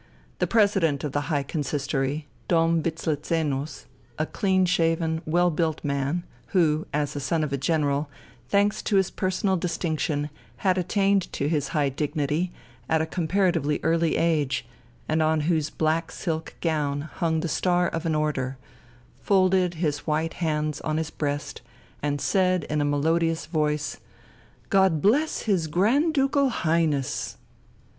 The President of the High Consistory, Dom Wislezenus a clean shaven, well built man, who, as a son of a general, and thanks to his personal distinction, had attained to his high dignity at a comparatively early age, and on whose black silk gown hung the star of an Order folded his white hands on his breast, and said in a melodious voice, "God bless his Grand Ducal Highness!"